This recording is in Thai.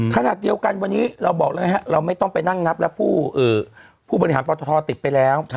ขนาดเดียวกันวันนี้เราบอกไว้นะฮะเราไม่ต้องไปนั่งนับและผู้บริหารปลาต่อติดไปแล้ว